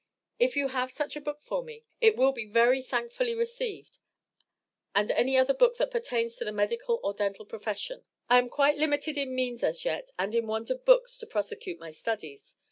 If you have such a book for me, it will be very thankfully received, and any other book that pertains to the medical or dental profession. I am quite limited in means as yet and in want of books to prosecute my studies.